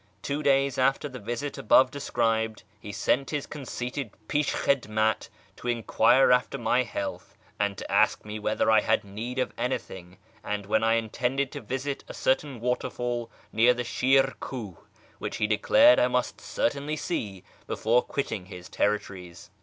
Two days after the visit above described, he sent his conceited pishhhidmat to enquire after my health, ;md to ask me whether I had need of anything, and when I intended to visit a certain waterfall near the Shir Kuh, which lie declared I must certainly see before quitting his territories.